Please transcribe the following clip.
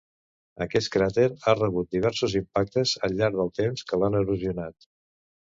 Aquest cràter ha rebut diversos impactes al llarg del temps que l'han erosionat.